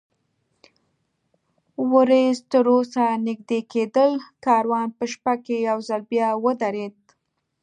ورېځ تراوسه نږدې کېدل، کاروان په شپه کې یو ځل بیا ودرېد.